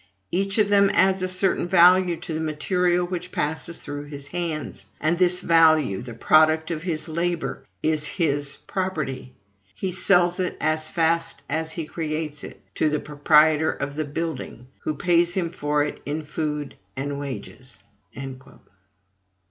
Each of them adds a certain value to the material which passes through his hands; and this value, the product of his labor, is his property. He sells it, as fast as he creates it, to the proprietor of the building, who pays him for it in food and wages."